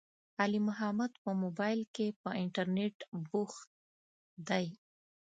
علي محمد په مبائل کې، په انترنيت بوخت دی.